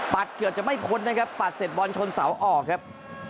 เกือบจะไม่พ้นนะครับปัดเสร็จบอลชนเสาออกครับ